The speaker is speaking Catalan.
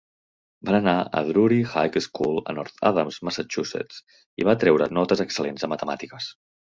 Va anar a Drury High School a North Adams, Massachusetts i va treure notes excel·lents a matemàtiques.